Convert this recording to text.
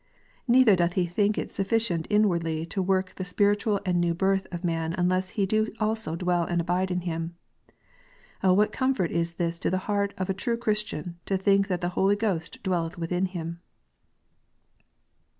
Neither doth He think it suffi cient inwardly to work the spiritual and new birth of man unless He do also dwell and abide in him. Oh, what comfort is this to the heart of a true Christian, to think that the Holy Ghost dwelleth within him